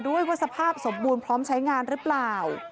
ด้วยว่าสภาพสมบูรณ์พร้อมใช้งานหรือเปล่า